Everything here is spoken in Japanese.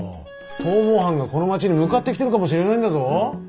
逃亡犯がこの町に向かってきてるかもしれないんだぞ。